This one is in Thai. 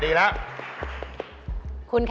อยากตอบเลยไหม